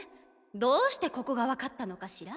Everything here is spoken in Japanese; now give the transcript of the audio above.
どうしてここがわかったのかしら？